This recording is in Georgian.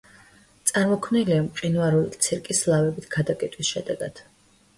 წარმოქმნილია მყინვარული ცირკის ლავებით გადაკეტვის შედეგად.